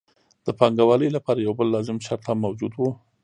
د پانګوالۍ لپاره یو بل لازم شرط هم موجود وو